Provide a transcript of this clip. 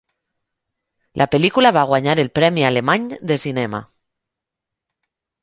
La pel·lícula va guanyar el Premi Alemany de Cinema.